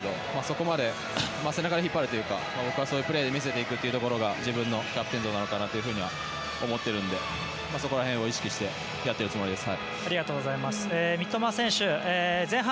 僕も育成からキャプテンを任せられることが多かったですが背中で引っ張るというかそういうプレーで見せていくというところが自分のキャプテン像なのかなとは思っているのでそこら辺を意識してやっているつもりです。